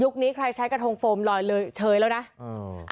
นี้ใครใช้กระทงโฟมลอยเลยเชยแล้วนะอืม